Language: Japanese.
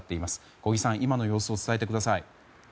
小木さん、今の様子を伝えてください。